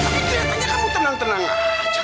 tapi ternyata kamu tenang tenang saja